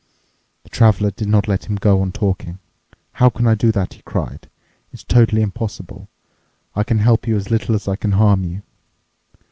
The Traveler did not let him go on talking. "How can I do that," he cried. "It's totally impossible. I can help you as little as I can harm you."